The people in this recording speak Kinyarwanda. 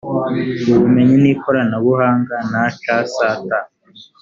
ubumenyi n ikoranabuhanga ncst